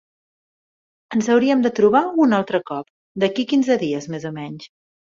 Ens hauríem de trobar un altre cop d'aquí quinze dies, més o menys